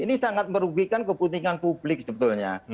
ini sangat merugikan kepentingan publik sebetulnya